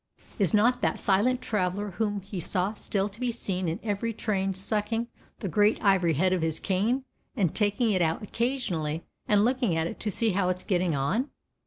Is not that silent traveller whom he saw still to be seen in every train sucking the great ivory head of his cane and taking it out occasionally and looking at it to see how it is getting on?